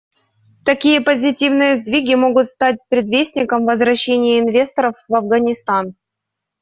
Такие позитивные сдвиги могут стать предвестником возвращения инвесторов в Афганистан.